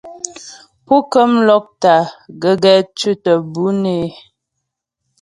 Pú kəm lɔ́kta gəgɛ tʉ̌tə mbʉ̌ nə́ é.